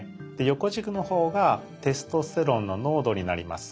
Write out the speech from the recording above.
横軸のほうがテストステロンの濃度になります。